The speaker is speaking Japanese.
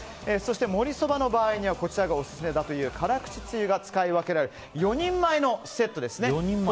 もりそばの場合にはこちらがオススメだという辛口つゆが使い分けられる４人前のセットです。